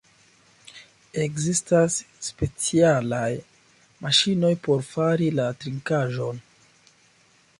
Ekzistas specialaj maŝinoj por fari la trinkaĵon.